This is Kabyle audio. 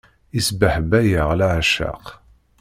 Isbehba-yaɣ leεceq.